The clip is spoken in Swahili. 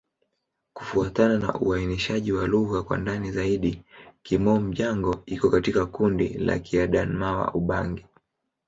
Kufuatana na uainishaji wa lugha kwa ndani zaidi, Kimom-Jango iko katika kundi la Kiadamawa-Ubangi.